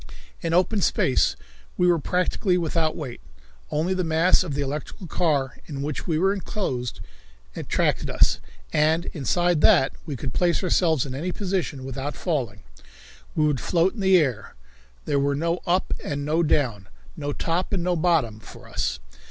In open space we were practically without weight. Only the mass of the electrical car in which we were enclosed attracted us, and inside that we could place ourselves in any position without falling. We could float in the air. There were no up and no down, no top and no bottom for us.